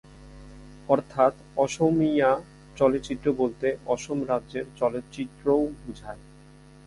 অর্থাৎ অসমীয়া চলচ্চিত্র বলতে অসম রাজ্যের চলচ্চিত্রও বুঝায়।